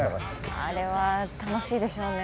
あれは楽しいでしょうね